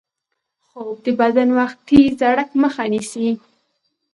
خوب د بدن وختي زړښت مخه نیسي